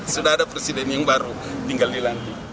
sudah ada presiden yang baru tinggal dilantik